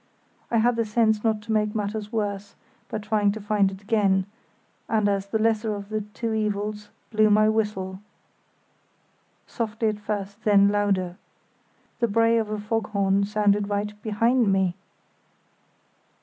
I had the sense not to make matters worse by trying to find it again, and, as the lesser of two evils, blew my whistle, softly at first, then louder. The bray of a foghorn sounded right behind me.